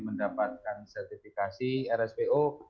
mendapatkan sertifikasi rspo